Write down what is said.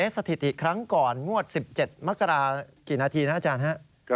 สถิติครั้งก่อนงวด๑๗มกรากี่นาทีนะอาจารย์ครับ